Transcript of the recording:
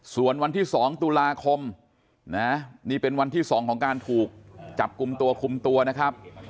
ส่วนวันที่๒ตุลาคมนะนี่เป็นวันที่๒ของการถูกจับกลุ่มตัวคุมตัวนะครับ